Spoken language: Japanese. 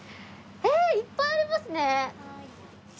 えーっ！いっぱいありますね。